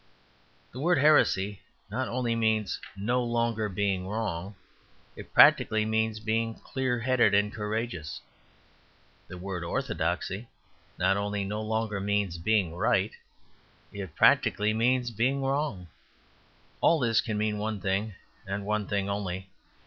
The word "heresy" not only means no longer being wrong; it practically means being clear headed and courageous. The word "orthodoxy" not only no longer means being right; it practically means being wrong. All this can mean one thing, and one thing only.